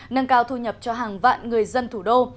nâng cao thu nhập cho hàng vạn người dân thủ đô